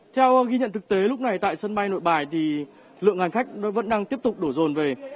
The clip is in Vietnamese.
theo ghi nhận thực tế lúc này tại sân bay nội bài thì lượng hành khách vẫn đang tiếp tục đổ rồn về